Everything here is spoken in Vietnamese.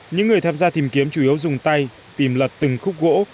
những người tham gia tìm kiếm chủ yếu dùng tay tìm lật từng khúc gỗ